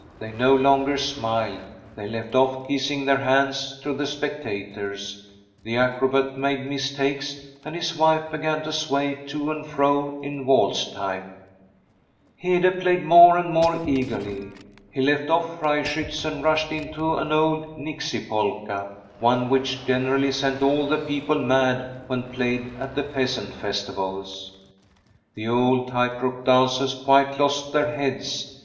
They no longer smiled ; they left oflf kissing their hands to the spectators ; the acrobat made mis takes, and his wife began to sway to and fro in waltz time. Hede played more and more eagerly. He left oflf ' Freischiitz ' and rushed into an old * Nixie Polka,' one which generally sent all the people mad when played at the peasant festivals. The old tight rope dancers quite lost their heads.